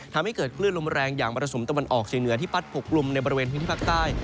ทำให้เกิดคลื่นลมแรงอย่างมรสุมตะวันออกเฉียงเหนือที่พัดปกกลุ่มในบริเวณพื้นที่ภาคใต้